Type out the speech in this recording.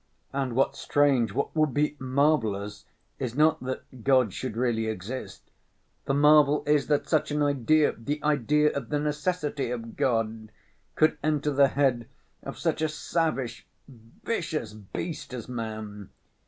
And what's strange, what would be marvelous, is not that God should really exist; the marvel is that such an idea, the idea of the necessity of God, could enter the head of such a savage, vicious beast as man.